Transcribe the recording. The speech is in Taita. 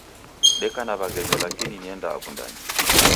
Deka na waghenyi lakini nienda Wundanyi.